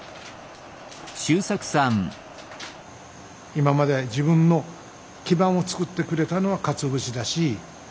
今まで自分の基盤を作ってくれたのはかつお節だし今後もそうだよね。